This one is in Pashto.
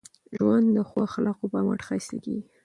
ژوند د ښو اخلاقو په مټ ښایسته کېږي.